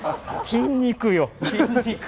筋肉よ。